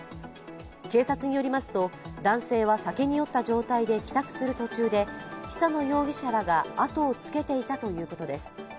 警察によりますと、男性は酒に酔った状態で帰宅する途中で久野容疑者らがあとをつけていたということです。